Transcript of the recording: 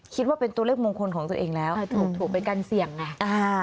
คิดว่าเป็นตัวเลขมงคลของตัวเองแล้วถูกไปกันเสี่ยงไงอ่า